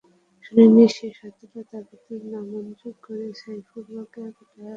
শুনানি শেষে আদালত আবেদন নামঞ্জুর করে সাইফুলকে কারাগারে পাঠানোর আদেশ দেন।